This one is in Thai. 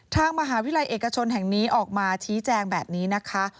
ทางมหาวิทยาลัยเอกชนแห่งนี้ออกมาชี้แจงแบบนี้นะคะ